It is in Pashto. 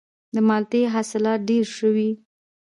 د مالټې حاصلات ډیر شوي؟